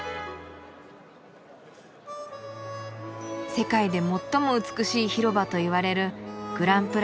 世界で最も美しい広場といわれるグランプラス。